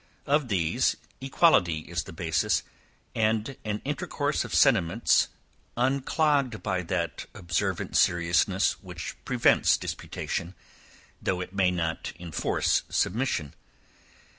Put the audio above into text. Of these, equality is the basis, and an intercourse of sentiments unclogged by that observant seriousness which prevents disputation, though it may not inforce submission.